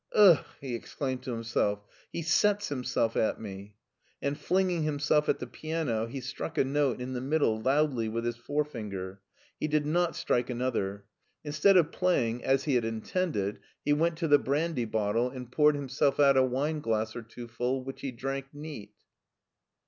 " Ugh !" he exclaimed to himself ;" he sets himself at me !" and, flinging himself at the piano, he struck a note in the middle loudly with his forefinger. He did not strike another. Instead of playing, as he had intended, he LEIPSIC 117 went to the brandy bottle and poured himsdf out a wineglass or two full, which he drank neat.